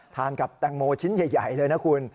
ทานกับแตงโมชิ้นใหญ่เลยนะคุณ